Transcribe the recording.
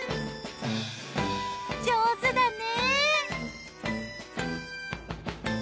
上手だね。